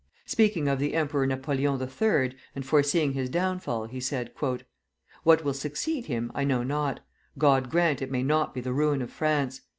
Speaking of the Emperor Napoleon III., and foreseeing his downfall, he said: "What will succeed him, I know not. God grant it may not be the ruin of France!...